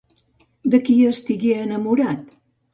De qui estigué enamorat?